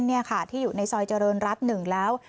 นี่ค่ะที่อยู่ในซอยเจริญรัฐ๑แล้ว